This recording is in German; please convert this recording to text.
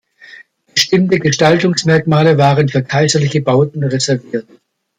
Bestimmte Gestaltungsmerkmale waren für kaiserliche Bauten reserviert.